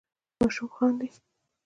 ماشوم خاندي.